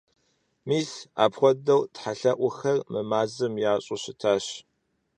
Мис апхуэдэу тхьэлъэӀухэр мы мазэм ящӀыу щытащ.